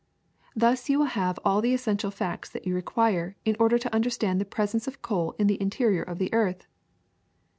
Thus you will have all the essen tial facts that you require in order to understand the presence of coal in the interior of the earth.''